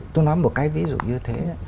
tôi nói một cái ví dụ như thế